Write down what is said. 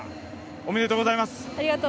おめでとうございます。